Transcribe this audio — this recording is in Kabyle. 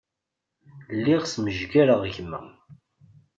Lliɣ smejgareɣ gma.